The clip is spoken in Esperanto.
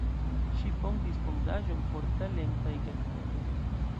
Ŝi fondis fondaĵon por talentaj geaktoroj.